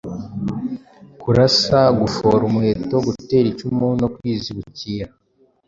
kurasa, gufora umuheto, gutera icumu no kwizibukira,